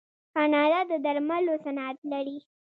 کاناډا د درملو صنعت لري.